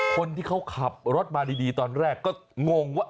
คนที่เขาขับรถมาดีตอนแรกก็งงว่า